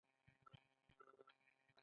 زه په صنعتي کيميا کې د دوکتورا محصل يم.